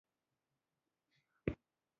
د ليکنې بڼه مو بايد په لاندې ډول وي.